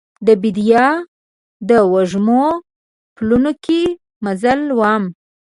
د بیدیا د وږمو پلونو کې مزل وم